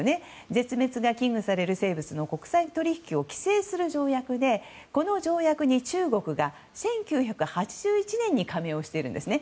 絶滅が危惧される生物の国際取引を規制する条約でこの条約に中国が１９８１年に加盟をしているんですね。